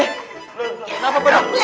kenapa pak d